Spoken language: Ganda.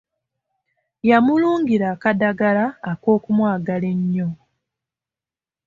Yamulungira akadagala ak'okumwagala ennyo.